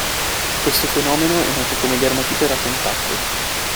Questo fenomeno è noto come dermatite da contatto.